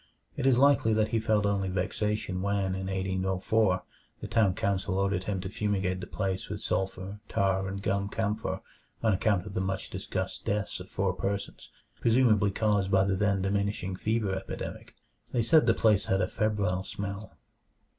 It is likely that he felt only vexation when, in 1804, the town council ordered him to fumigate the place with sulfur, tar, and gum camphor on account of the much discussed deaths of four persons, presumably caused by the then diminishing fever epidemic. They said the place had a febrile smell.